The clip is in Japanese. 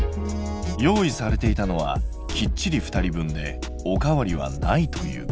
用意されていたのはきっちり２人分でおかわりはないという。